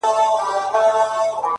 اوس هغه بل كور كي اوسيږي كنه،